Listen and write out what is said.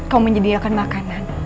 kau menyediakan makanan